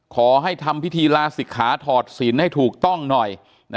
ขอให้ทำพิธีลาศิกขาถอดศิลป์ให้ถูกต้องหน่อย